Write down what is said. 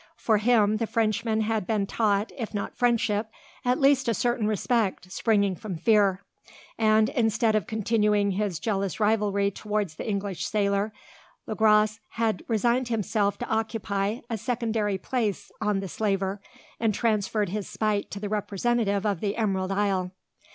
For him the Frenchman had been taught, if not friendship, at least, a certain respect, springing from fear; and, instead of continuing his jealous rivalry towards the English sailor, Le Gros had resigned himself to occupy a secondary place on the slaver, and transferred his spite to the representative of the Emerald Isle.